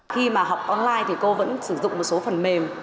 khi mà học online thì cô vẫn sử dụng một số phần mềm